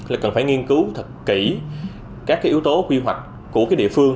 là cần phải nghiên cứu thật kỹ các yếu tố quy hoạch của cái địa phương